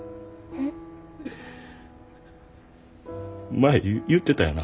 前言ってたよな。